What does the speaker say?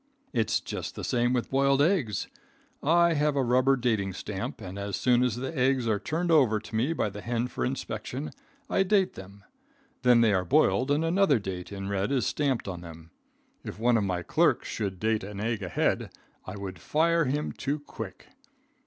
"It's just the same with boiled eggs. I have a rubber dating stamp, and as soon as the eggs are turned over to me by the hen for inspection, I date them. Then they are boiled and another date in red is stamped on them. If one of my clerks should date an egg ahead, I would fire him too quick.